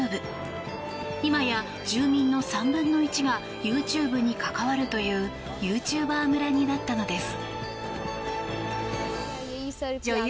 今や、住民の３分の１がＹｏｕＴｕｂｅに関わるというユーチューバー村になったのです。